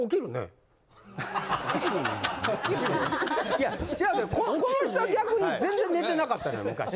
いや違うこの人は逆に全然寝てなかったんや昔。